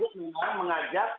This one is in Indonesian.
terintegrasi itu akan menjadi fokus